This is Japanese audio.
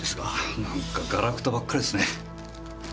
何かガラクタばっかりっすね。